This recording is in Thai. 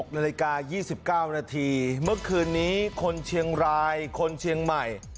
๖นาฬิกา๒๙นาทีเมื่อคืนนี้คนเชียงรายคนเชียงใหม่